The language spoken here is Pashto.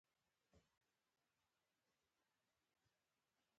تاریخي سندونه په یو ځانګړي ځای کې ساتل کیږي.